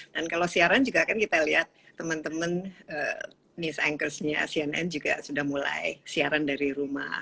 dan kalau siaran juga kan kita lihat teman teman news anchors nya cnn juga sudah mulai siaran dari rumah